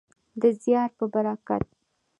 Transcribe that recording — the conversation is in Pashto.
د زیار په برکت.